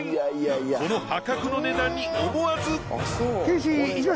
この破格の値段に思わず。